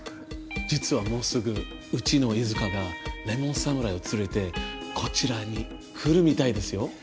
実はもうすぐうちの飯塚がレモン侍を連れてこちらに来るみたいですよ。